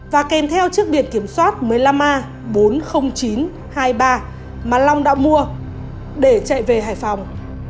và kèm theo chiếc điện kiểm soát một mươi năm a bốn mươi nghìn chín trăm hai mươi ba mà long đã mua để chạy về hải phòng